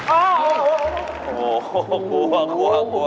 โอ้โฮกลัว